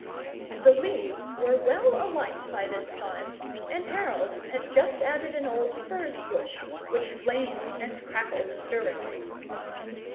The leaves were well alight by this time, and Harold had just added an old furze bush, which flamed and crackled stirringly.